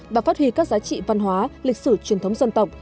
và phát huy các giá trị văn hóa lịch sử truyền thống dân tộc